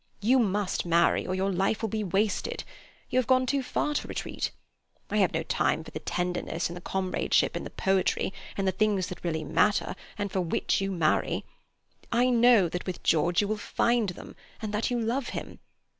You must marry, or your life will be wasted. You have gone too far to retreat. I have no time for the tenderness, and the comradeship, and the poetry, and the things that really matter, and for which you marry. I know that, with George, you will find them, and that you love him.